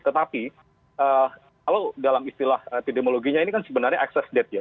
tetapi kalau dalam istilah epidemiologinya ini kan sebenarnya excess death ya